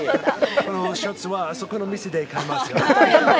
このシャツはあそこの店で買いますよ。